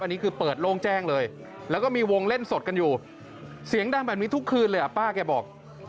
อันนี้คือเปิดโล่งแจ้งเลยแล้วก็มีวงเล่นสดกันอยู่เสียงดังแบบนี้ทุกคืนเลยอ่ะป้าแกบอก